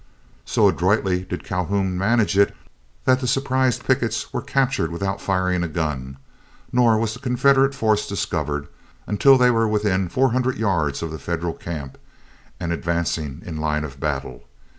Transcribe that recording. So adroitly did Calhoun manage it, that the surprised pickets were captured without firing a gun. Nor was the Confederate force discovered until they were within four hundred yards of the Federal camp, and advancing in line of battle.